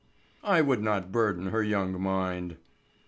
"I would not burden her young mind."